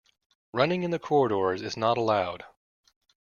Running in the corridors is not allowed